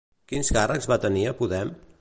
Quins càrrecs va tenir a Podem?